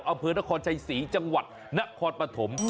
อำเภอนครชัยศรีจังหวัดนครปฐม